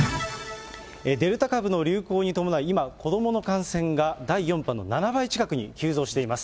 デルタ株の流行に伴い、今、子どもの感染が第４波の７倍近くに急増しています。